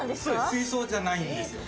水槽じゃないんですよ。